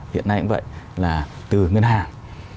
hiện nay cũng vậy là từ ngân hàng